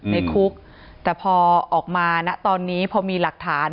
ในคุกแต่พอออกมาณตอนนี้พอมีหลักฐาน